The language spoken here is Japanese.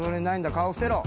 顔伏せろ！